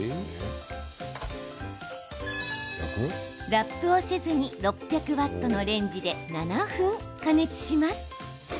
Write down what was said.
ラップをせずに６００ワットのレンジで７分、加熱します。